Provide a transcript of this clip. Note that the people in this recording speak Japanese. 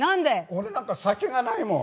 俺なんか先がないもん。